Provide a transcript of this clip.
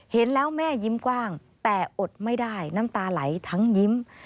เห็นแล้วแม่ยิ้มกว้างแต่อดไม่ได้น้ำตาไหลทั้งยิ้ม